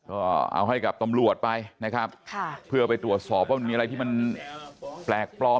ก็เอาให้กับตำรวจไปนะครับค่ะเพื่อไปตรวจสอบว่ามันมีอะไรที่มันแปลกปลอม